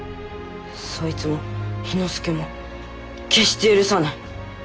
そいつも氷ノ介も決して許さない。